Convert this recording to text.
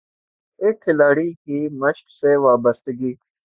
ایک کھلاڑی کی مشق سے وابستگی